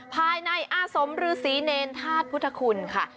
ภายในอาสมฤษีเนรธาตุพุทธคุณค่ะ